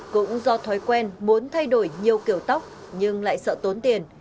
cũng do thói quen muốn thay đổi nhiều kiểu tóc nhưng lại sợ tốn tiền